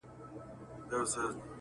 ښار دي جهاني د تورتمونو غېږ ته مخه کړه -